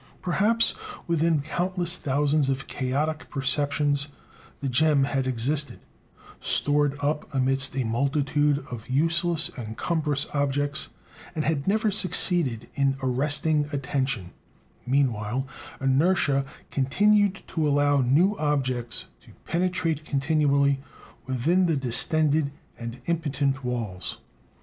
Perhaps within countless thousands of chaotic perceptions the gem had existed, stored up amidst a multitude of useless and cumbrous objects, and had never succeeded in arresting attention; meanwhile inertia continued to allow new objects to penetrate continually within the distended and impotent walls.